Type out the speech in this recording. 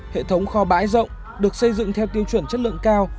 hệ thống kho bãi rộng được xây dựng theo tiêu chuẩn chất lượng cao